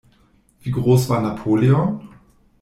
Wie groß war Napoleon?